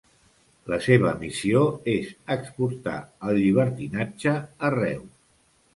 La seva missió és exportar el llibertinatge arreu.